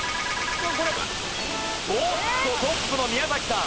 おっとトップの宮崎さん。